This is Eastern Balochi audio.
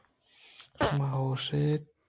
شما ھاموش اِت